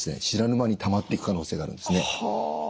知らぬ間にたまっていく可能性があるんですね。